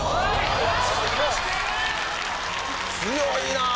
強いなあ！